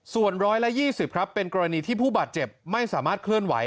ซ่วนร้อยละยี่สิบครับเป็นกรณีที่ผู้บาดเจ็บไม่สามารถเคลื่อนไหว